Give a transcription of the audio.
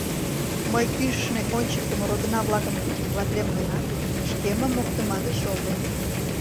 Мый кӱшнӧ ончыктымо родына-влакым критиковатлем гынат, шкемым моктыма гыч огыл.